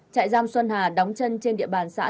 trại giam xuân hà đóng chân trên địa bàn xã